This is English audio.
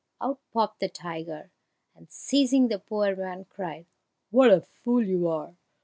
Out popped the tiger, and, seizing the poor man, cried, "What a fool you are!